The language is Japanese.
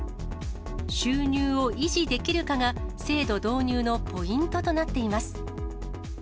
収入を維持できるかが、制度導入のポイントとなっています。